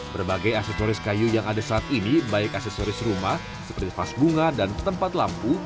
berbagai aksesoris kayu yang ada saat ini baik aksesoris rumah seperti vas bunga dan tempat lampu